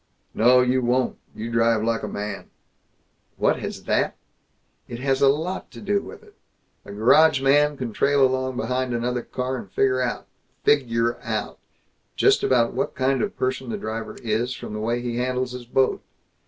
"No. You won't. You drive like a man." "What has that " "It has a lot to do with it. A garage man can trail along behind another car and figger out, figure out, just about what kind of a person the driver is from the way he handles his boat.